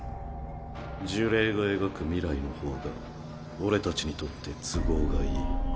呪霊が描く未来の方が俺たちにとって都合がいい